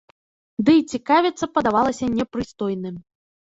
Ды і цікавіцца падавалася непрыстойным.